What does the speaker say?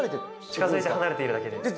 近づいて離れているだけです。